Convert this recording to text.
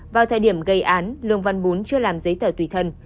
vào thời điểm gây án lương văn bún chưa làm giấy tờ tùy thân